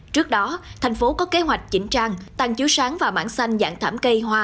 trước đó thành phố có kế hoạch chỉnh trang tăng chiếu sáng và mảng xanh dạng thảm cây hoa